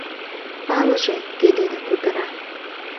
Палыже, кӧ дене кутыра.